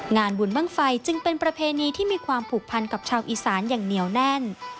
งานบุญบ้างไฟจึงเป็นประเพณีที่มีความผูกพันกับชาวอีสานอย่างเหนียวแน่น